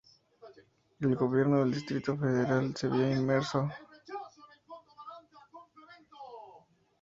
El gobierno del Distrito Federal se vio inmerso en el escándalo.